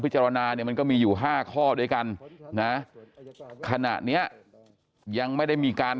จารณาเนี่ยมันก็มีอยู่๕ข้อด้วยกันนะขณะเนี้ยยังไม่ได้มีการ